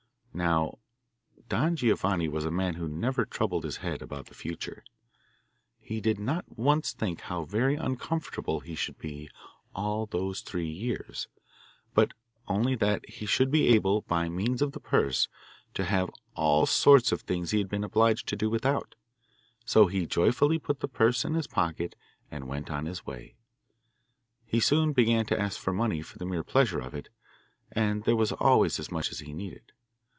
Now Don Giovanni was a man who never troubled his head about the future. He did not once think how very uncomfortable he should be all those three years, but only that he should be able, by means of the purse, to have all sorts of things he had been obliged to do without; so he joyfully put the purse in his pocket and went on his way. He soon began to ask for money for the mere pleasure of it, and there was always as much as he needed.